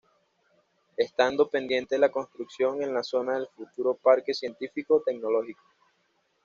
Estando pendiente la construcción en la zona del futuro Parque Científico-Tecnológico.